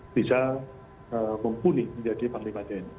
bisa mempunyai menjadi empat puluh lima dni